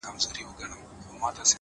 ستا په تعويذ كي به خپل زړه وويني ـ